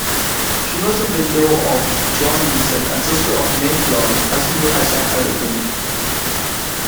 She was the widow of John Vincent and sister of "Mayflower" passenger Isaac Allerton.